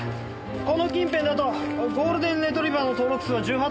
この近辺だとゴールデンレトリバーの登録数は１８頭ですね。